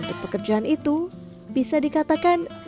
untuk pekerjaan itu bisa dikatakan